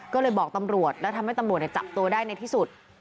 ก็เลยบอกตำรวจแล้วทำให้ตำรวจจับตัวได้ในที่สุด